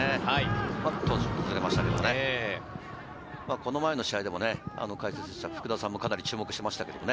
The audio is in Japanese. この前の試合でも解説した福田さんも、かなり注目していましたけどね。